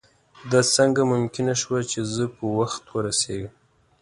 دا څنګه ممکنه شوه چې زه په وخت ورسېږم.